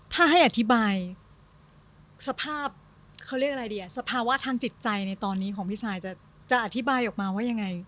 ถ้าให้อธิบายสภาพเขาเรียกอะไรดีสภาวะทางจิตใจในตอนนี้ของพี่ซายจะอธิบายออกมาว่ายังไง